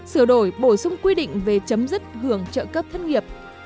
sửa đổi bổ sung quy định về chấm dứt hưởng trợ cấp thất nghiệp